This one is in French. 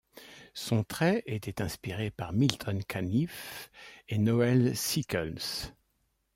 Son trait était inspiré par Milton Caniff et Noel Sickles.